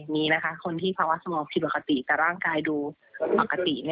มีนะคะคนที่ภาวะสมองผิดปกติแต่ร่างกายดูปกติ